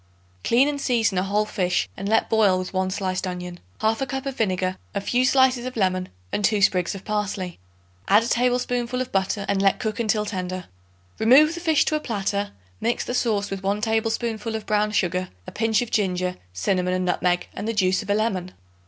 Clean and season a whole fish and let boil with 1 sliced onion, 1/2 cup of vinegar, a few slices of lemon and 2 sprigs of parsley. Add a tablespoonful of butter and let cook until tender. Remove the fish to a platter; mix the sauce with 1 tablespoonful of brown sugar, a pinch of ginger, cinnamon and nutmeg and the juice of a lemon.